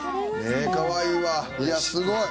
かわいい！